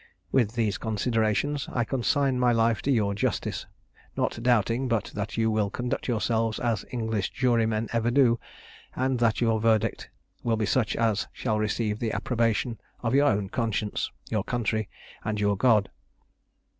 With these considerations I consign my life to your justice; not doubting but that you will conduct yourselves as English jurymen ever do, and that your verdict will be such as shall receive the approbation of your own conscience, your country, and your God."